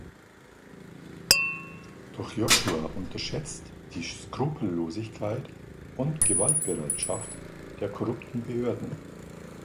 Doch Joshua unterschätzt die Skrupellosigkeit und Gewaltbereitschaft der korrupten Behörden.